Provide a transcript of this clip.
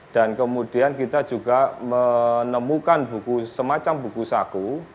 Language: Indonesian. dan kemudian kita juga menemukan semacam buku saku